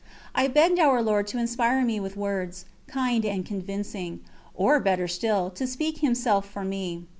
I begged our Lord to inspire me with words, kind and convincing; or better still, to speak Himself for me.